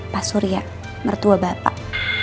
pak surya mertua bapak